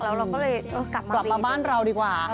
แล้วเราก็เลยกลับมาบ้านเราดีกว่า